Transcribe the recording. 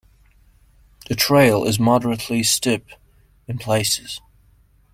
The trail is moderately steep in places.